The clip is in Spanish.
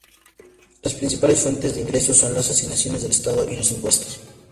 Las principales fuentes de ingresos son las asignaciones del Estado y los impuestos.